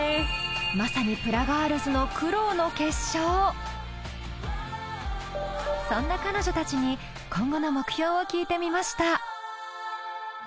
まさにプラガールズのそんな彼女たちに今後の目標を聞いてみました。